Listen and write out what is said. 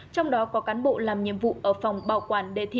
trong đó có cán bộ làm nhiệm vụ ở phòng bảo quản đề thi